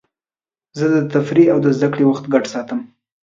زه د تفریح او زدهکړې وخت ګډ ساتم.